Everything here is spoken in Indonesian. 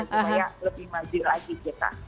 supaya lebih maju lagi kita